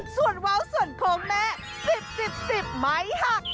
ส่วนว้าวส่วนโค้งแม่สิบไม้หัก